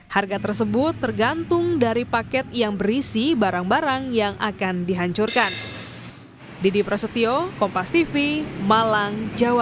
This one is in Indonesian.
harga tersebut tergantung dari paket yang berisi barang barang yang akan dihancurkan